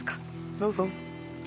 どうぞ。